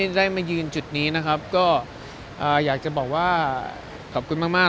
ได้มายืนจุดนี้นะครับก็อยากจะบอกว่าขอบคุณมากมาก